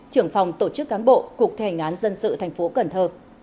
trưởng phòng tổ chức cán bộ cục thi hành án dân sự tp cnh